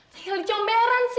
saya sedang dicomberan